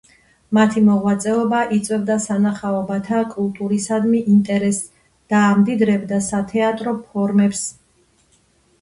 მათი მოღვაწეობა იწვევდა სანახაობათა კულტურისადმი ინტერესს და ამდიდრებდა სათეატრო ფორმებს.